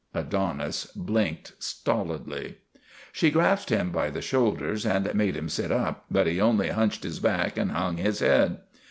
Adonis blinked stolidly. She grasped him by the shoulders and made him sit up, but he only hunched his back and hung his head.